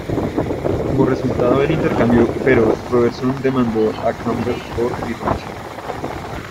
Como resultado del intercambio feroz, Robertson demandó a Campbell por difamación.